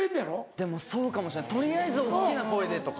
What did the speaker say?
でもそうかもしれない取りあえず大っきな声でとか。